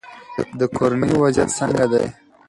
د کورنۍ وضعیت څنګه دی؟